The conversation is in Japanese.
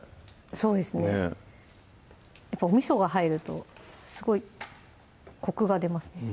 そうですねやっぱおみそが入るとすごいコクが出ますね